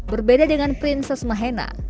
berbeda dengan prinses mahena